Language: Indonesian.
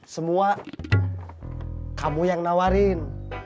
semua kamu yang nawarin